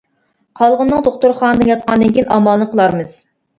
قالغىنىنىڭ دوختۇرخانىدا ياتقاندىن كېيىن ئامالىنى قىلارمىز.